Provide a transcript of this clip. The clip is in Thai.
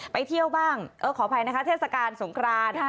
ไปเที่ยวบ้างขออภัยนะคะเทศกาลสงคราน